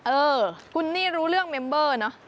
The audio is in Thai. เออคุณนี่รู้เรื่องเมมเบอร์เนอะ